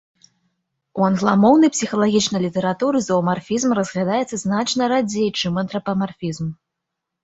У англамоўнай псіхалагічнай літаратуры зоамарфізм разглядаецца значна радзей, чым антрапамарфізм.